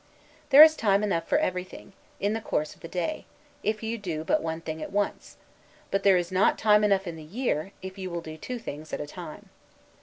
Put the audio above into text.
There is time enough for everything, in the course of the day, if you do but one thing at once; but there is not time enough in the year, if you will do two things at a time.